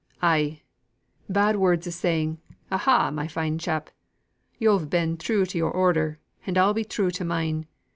"Ay. Bad words is saying 'Aha, my fine chap! Yo've been true to yo'r order, and I'll be true to mine.